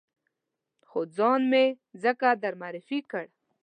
خو ځان مې ځکه در معرفي کړ.